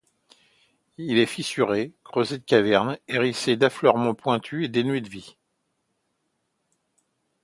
Il est fissuré, creusé de cavernes, hérissé d'affleurements pointus et dénué de vie.